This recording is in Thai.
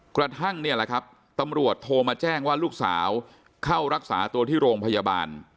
กระทั่งตำรวจโทรมาแจ้งว่าลูกสาวเข้ารักษาตัวที่โรงพยาบาล